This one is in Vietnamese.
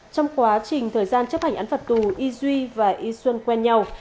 trong quá trình thời gian chấp hành án phạt tù y duy và y xuân quen nhau